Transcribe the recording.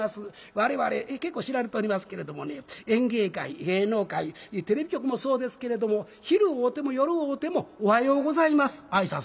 我々結構知られておりますけれどもね演芸界芸能界テレビ局もそうですけれども昼会うても夜会うても「おはようございます」挨拶するんですね。